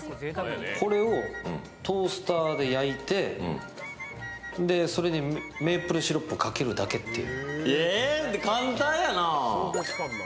これをトースターで焼いてそれにメープルシロップをかけるだけっていう。